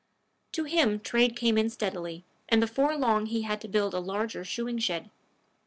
To him trade came in steadily, and before long he had to build a larger shoeing shed.